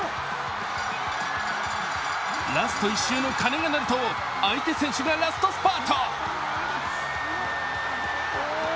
ラスト１周の鐘が鳴ると相手選手がラストスパート。